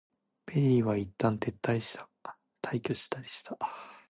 ペリーはいったん退去した。